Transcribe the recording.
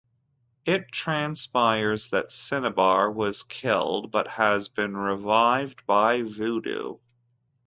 It transpires that Cinnabar was killed but has been revived by voodoo.